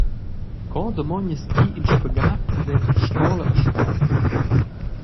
Co damognas Ti il spagat denter scola e sport?